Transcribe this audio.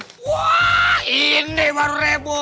wah ini baru revo